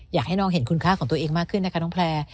อยากให้น้องเห็นคุณค่าของตัวเองมากขึ้นนะคะน้องแพลร์